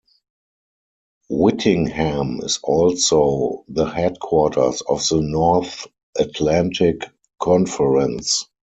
Whitingham is also the headquarters of the North Atlantic Conference.